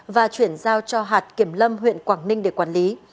và chuyển giao cho hạt kiểm lâm huyện quảng ninh để quản lý